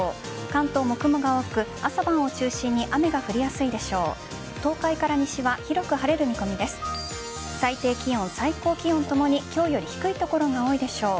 関東も雲が多く朝晩を中心に雨が降りやすいでしょう。